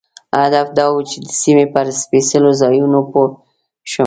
هدف دا و چې د سیمې پر سپېڅلو ځایونو پوه شم.